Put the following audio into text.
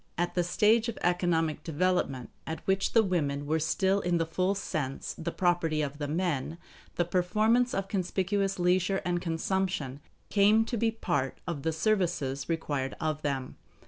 At the stage of economic development at which the women were still in the full sense the property of the men, the performance of conspicuous leisure and consumption came to be part of the services required of them.